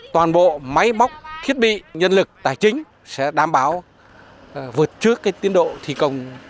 toàn bộ máy bóc thiết bị nhân lực tài chính sẽ đảm bảo vượt trước tiến độ thi công